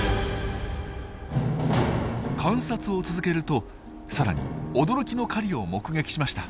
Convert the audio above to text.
観察を続けるとさらに驚きの狩りを目撃しました。